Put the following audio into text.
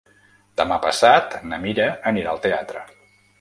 Demà passat na Mira anirà al teatre.